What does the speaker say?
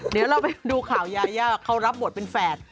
เดี๋ยวเราไปดูข่าวยายาเขารับบทเป็นแฝด